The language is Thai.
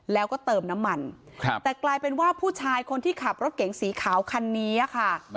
แล้วก็เติมน้ำมันแต่กลายเป็นว่าผู้ชายคนที่ขับรถเก๋งสีขาวคันนี้ค่ะ